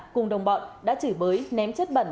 cùng đồng bọn đã chửi bới ném chất bẩn